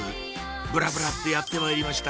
ぶらぶらってやってまいりました